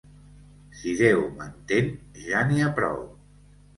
Si Déu m'entén, ja n'hi ha prou.